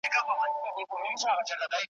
« اختیار به مي د ږیري همېشه د ملا نه وي» `